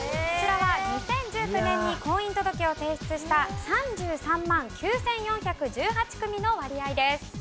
こちらは２０１９年に婚姻届を提出した３３万９４１８組の割合です。